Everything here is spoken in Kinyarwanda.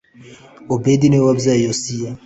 Obedi ni we wabyaye Yesayi